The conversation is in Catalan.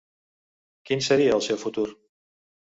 Quin seria el seu futur?